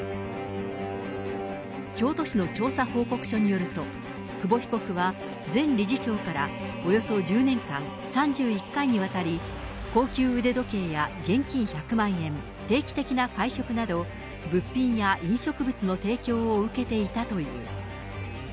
京都市の調査報告書によると、久保被告は前理事長からおよそ１０年間、３１回にわたり、高級腕時計や現金１００万円、定期的な会食など、物品や飲食物の提供を受けていたという。